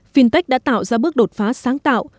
fintech đã tạo ra bước đột phá sáng tạo